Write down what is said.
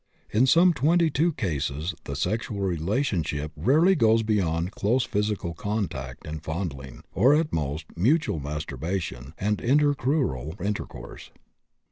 In some 22 cases the sexual relationship rarely goes beyond close physical contact and fondling, or at most mutual masturbation and intercrural intercourse.